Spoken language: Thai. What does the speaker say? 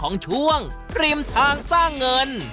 โอ้โฮได้เลยยินดี